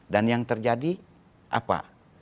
dan yang terjadi apa